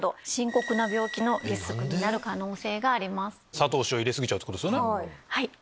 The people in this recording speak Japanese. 砂糖塩入れ過ぎちゃうってことですよね。